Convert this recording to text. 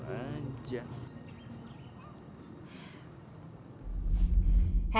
masih udah ada anak siap paham sih